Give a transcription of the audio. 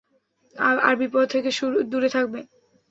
আর বিপদ থেকে দূরে থাকবে।